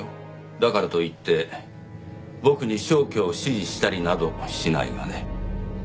だからといって僕に消去を指示したりなどしないがね。